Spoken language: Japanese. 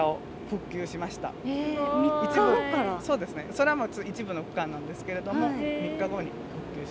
それは一部の区間なんですけれども３日後に復旧しました。